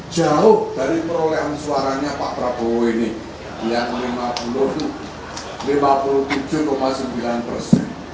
jauh dari perolehan suaranya pak prabowo ini yang lima puluh tujuh sembilan persen